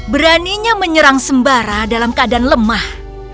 beraninya menyerang sembara dalam keadaan lemah